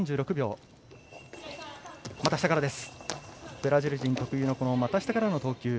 ブラジル特有の股下からの投球。